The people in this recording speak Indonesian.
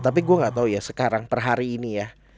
tapi gue gak tau ya sekarang per hari ini ya